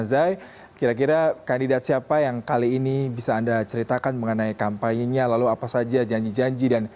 zai kira kira kandidat siapa yang kali ini bisa anda ceritakan mengenai kampanye nya lalu apa saja janji janji